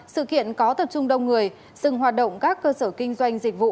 sự kiện có tập trung đông người dừng hoạt động các cơ sở kinh doanh dịch vụ